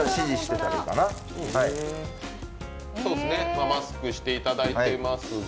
今、マスクしていただいていますが。